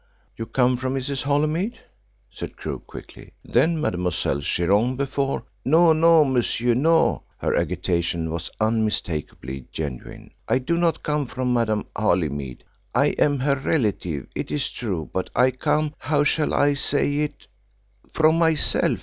"You come from Mrs. Holymead?" said Crewe quickly. "Then, Mademoiselle Chiron, before " "No, no, monsieur, no!" Her agitation was unmistakably genuine. "I do not come from Madame Holymead. I am her relative, it is true, but I come how shall I say it? from myself.